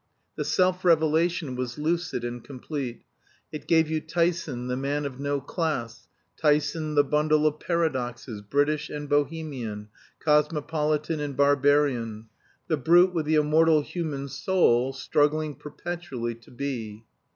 The self revelation was lucid and complete; it gave you Tyson the man of no class, Tyson the bundle of paradoxes, British and Bohemian, cosmopolitan and barbarian; the brute with the immortal human soul struggling perpetually to be.